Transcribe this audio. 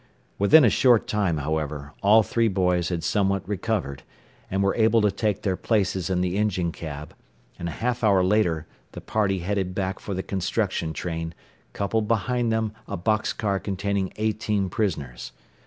Within a short time, however, all three boys had somewhat recovered, and were able to take their places in the engine cab; and a half hour later the party headed back for the construction train, coupled behind them a box car containing eighteen prisoners.